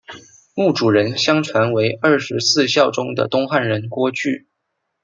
墓主人相传为二十四孝中的东汉人郭巨。